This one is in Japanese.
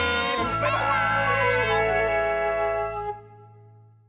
バイバーイ！